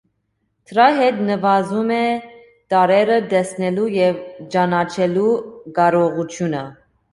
Դրա հետ նվազում է տառերը տեսնելու և ճանաչելու կարողությունը։